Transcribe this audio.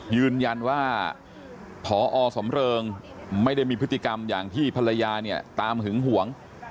ยืนยันว่าพอสำเริงไม่ได้มีพฤติกรรมอย่างที่ภรรยาเนี่ยตามหึงหวง